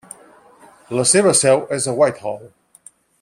La seva seu és a Whitehall.